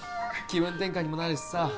気分転換にもなるしさうん